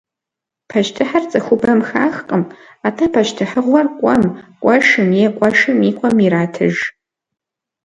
Пащтыхьыр цӏыхубэм хахкъым, атӏэ пащтыхьыгъуэр къуэм, къуэшым е къуэшым и къуэм иратыж.